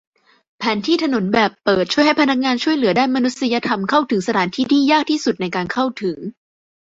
แผนที่ถนนแบบเปิดช่วยให้พนักงานช่วยเหลือด้านมนุษยธรรมเข้าถึงสถานที่ที่ยากที่สุดในการเข้าถึง